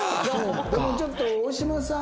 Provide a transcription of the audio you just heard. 僕もちょっと大島さん